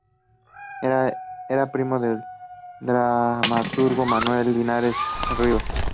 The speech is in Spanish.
Era primo del dramaturgo Manuel Linares Rivas.